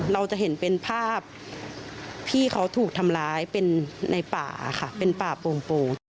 เราจะเห็นเป็นภาพพี่เขาถูกทำร้ายเป็นในป่าค่ะเป็นป่าโป่ง